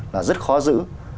là rất khó giữ